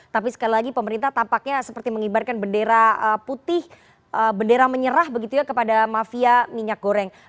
tapi sekali lagi pemerintah tampaknya seperti mengibarkan bendera putih bendera menyerah begitu ya kepada mafia minyak goreng